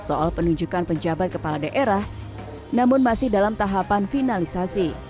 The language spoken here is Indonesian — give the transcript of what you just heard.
soal penunjukan penjabat kepala daerah namun masih dalam tahapan finalisasi